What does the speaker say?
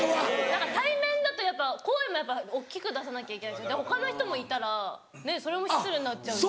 何か対面だとやっぱ声も大っきく出さなきゃいけない他の人もいたらそれも失礼になっちゃうし。